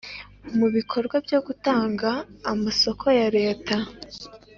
mu bikorwa byo gutanga amasoko ya Leta